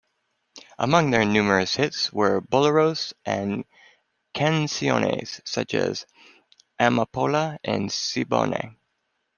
Among their numerous hits were boleros and "canciones" such as "Amapola" and "Siboney".